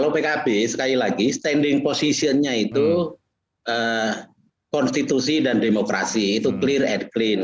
pkb sekali lagi standing position nya itu konstitusi dan demokrasi itu clear and clean